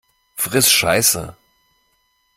Friss Scheiße!